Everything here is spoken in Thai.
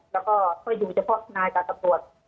แล้วก็เขาอยู่เฉพาะทนายกับตำรวจ